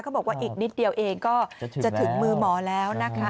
บอกว่าอีกนิดเดียวเองก็จะถึงมือหมอแล้วนะคะ